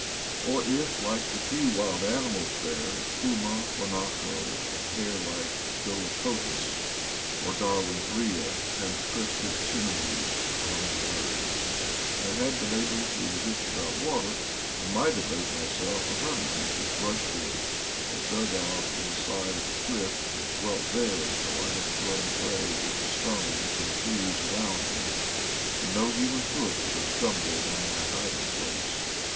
Or if, like the few wild animals there — puma, huanaco, and hare \ like dolichotis, or Darwin's rhea and the crested tinamou among the birds — I had been able to exist without water, I might have made myself a hermi tage of brushwood or dug out in the side of a cliff, and dwelt there until I had grown gray as the stones and trees around me, and no human foot would have stumbled on my hiding place.